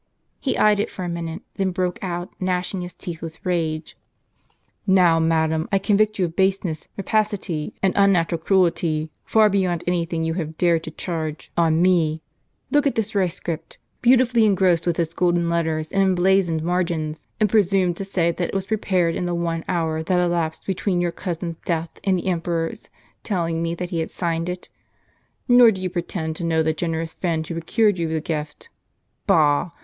He eyed it for a minute, then broke out, gnashing his teeth with rage :" Now, madam, I convict you of baseness, rapacity, and unnatural cruelty, far beyond any thing you have dared to charge on me ! Look at this rescript, beautifully engrossed, with its golden letters and emblazoned margins ; and presume to say that it was prepared in the one hour that elapsed between your cousin's death and the emperor's telling me that he had signed it? Nor do you pretend to know the generous friend who procured you the gift. Bah